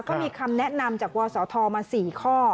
ก็มีคำแนะนำจากวศธมา๔ข้อ